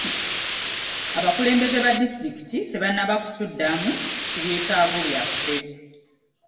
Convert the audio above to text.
Abakulembeze ba disitulikiti tebannaba kutuddamu ku byetaago byaffe.